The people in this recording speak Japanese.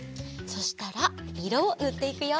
そしたらいろをぬっていくよ。